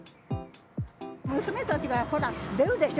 娘たちが、ほら、出るでしょ。